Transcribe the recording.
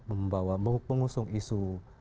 membawa pengusung isu